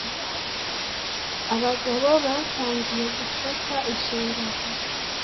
abagabo batangiye gufata inshingano